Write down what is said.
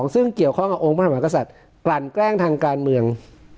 ซึ่งเกี่ยวข้องกับองค์พระมหากษัตริย์กลั่นแกล้งทางการเมือง